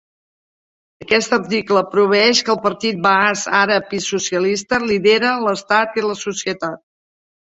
Aquest article proveeix que "el Partit Baas Àrab i Socialista lidera l'estat i la societat".